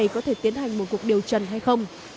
có thể tiến hành một cuộc điều trần hay không